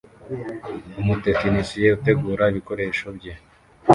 Umutekinisiye utegura ibikoresho bye